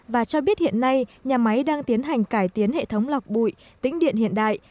và cho biết hiện nay nhà máy đang tiến hành cải tiến hệ thống lọc bụi tính điện hiện đại